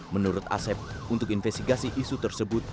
menurut asep untuk investigasi isu tersebut